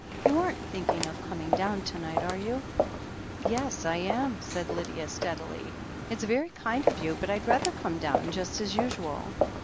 You aren't thinking of coming down to night, are you?" "Yes, I am," said Lydia steadily. "It's very kind of you, but Fd rather come down just as usual."